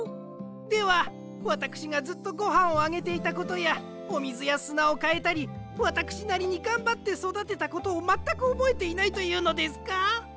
ではわたくしがずっとごはんをあげていたことやおみずやすなをかえたりわたくしなりにがんばってそだてたことをまったくおぼえていないというのですか？